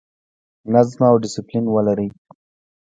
نظم او ډیسپلین ولرئ